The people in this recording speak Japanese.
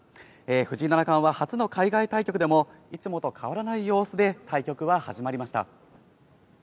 藤井七冠は初の海外対局でもいつもと変わらない様子で対局は始まりました。